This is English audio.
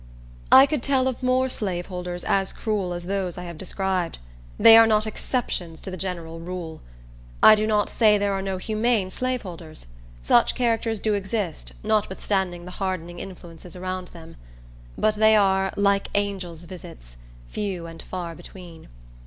I could tell of more slaveholders as cruel as those I have described. They are not exceptions to the general rule. I do not say there are no humane slaveholders. Such characters do exist, notwithstanding the hardening influences around them. But they are "like angels' visits—few and far between."